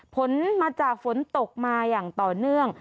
ผลมาจากฝนตกมาอย่างต่อเนื่อง